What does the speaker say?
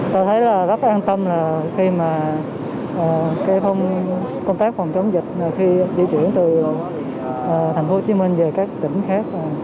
tôi thấy rất an tâm khi công tác phòng chống dịch di chuyển từ tp hcm về các tỉnh khác